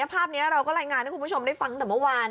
ภาพนี้เราก็รายงานให้คุณผู้ชมได้ฟังแต่เมื่อวาน